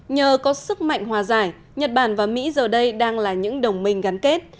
nhờ có sức mạnh hòa giải nhật bản và mỹ giờ đây đang là những đồng minh gắn kết